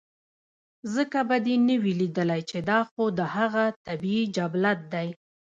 ځکه به دې نۀ وي ليدلے چې دا خو د هغه طبعي جبلت دے